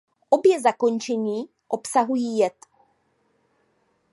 Obě zakončení obsahují jed.